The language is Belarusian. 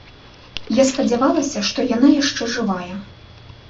Я спадзявалася, што яна яшчэ жывая.